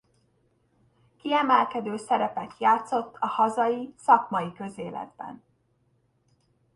Kiemelkedő szerepet játszott a hazai szakmai közéletben.